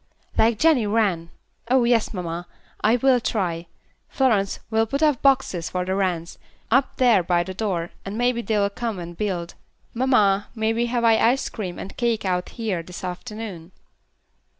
"Like Jenny Wren. Oh, yes, mamma, I will try. Florence, we'll put up boxes for the wrens, up there by the door, and maybe they will come and build. Mamma, may we have our ice cream and cake out here this afternoon?"